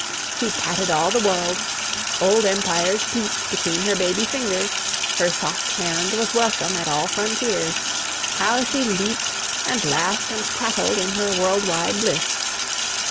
She patted all the world; old empires peep'd Between her baby fingers; her soft hand Was welcome at all frontiers. How she leap'd, And laugh'd and prattled in her world wide bliss!